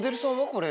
これ。